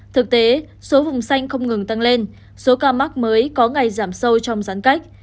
thực tế số vùng xanh không ngừng tăng lên số ca mắc mới có ngày giảm sâu trong gián cách